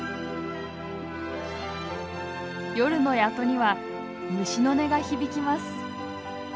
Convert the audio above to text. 夜の谷戸には虫の音が響きます。